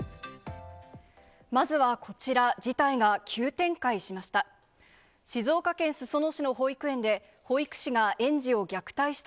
まずはこちら、事態が急展開しました。